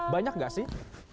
banyak gak sih